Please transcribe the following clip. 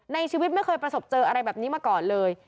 ในชีวิตไม่เคยประสบเจออะไรแบบนี้มาก่อนเลย